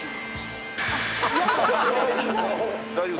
大丈夫？